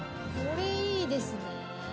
これいいですね。